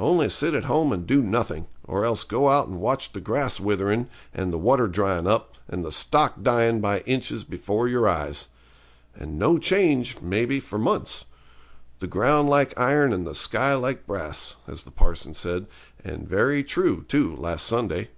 Only sit at home and do nothing, or else go out and watch the grass witherin' and the water dryin' up, and the stock dyin' by inches before your eyes. And no change, maybe, for months. The ground like iron and the sky like brass, as the parson said, and very true, too, last Sunday.